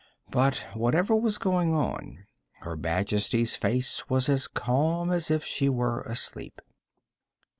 But whatever was going on, Her Majesty's face was as calm as if she were asleep.